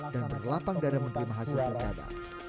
dan berlapang dada menerima hasil berkada